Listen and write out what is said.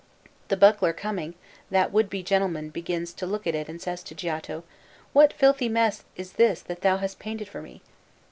The buckler coming, that would be gentleman begins to look at it and says to Giotto, 'What filthy mess is this that thou hast painted for me?'